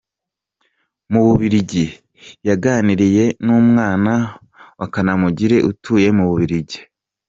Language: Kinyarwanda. com mu Bubiligi yaganiriye n’Umwana wa Kanamugire utuye mu Bubiligi.